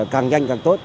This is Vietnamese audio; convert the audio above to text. càng nhanh càng tốt